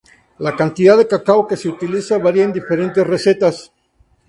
La cantidad de cacao que se utiliza varía en diferentes recetas.